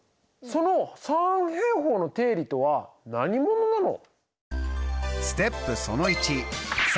その三平方の定理とは何者なの？